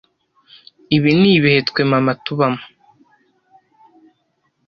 ibi nibihe twe mama tubamo